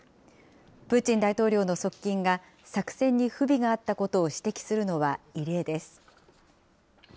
プーチン大統領の側近が作戦に不備があったことを指摘するのは、異例です。